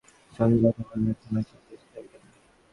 আপনি যখন অভিজ্ঞ খেলোয়াড়দের সঙ্গে কথা বলবেন, বলার খুব বেশি থাকবে না।